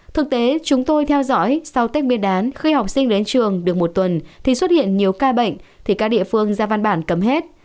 thực tế chúng tôi theo dõi sau tết nguyên đán khi học sinh đến trường được một tuần thì xuất hiện nhiều ca bệnh thì các địa phương ra văn bản cấm hết